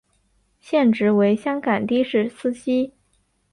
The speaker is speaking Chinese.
现职为香港的士司机。